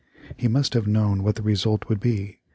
He must have known what the result would be.